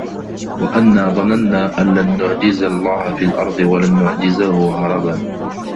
وَأَنّا ظَنَنّا أَن لَن نُعجِزَ اللَّهَ فِي الأَرضِ وَلَن نُعجِزَهُ هَرَبًا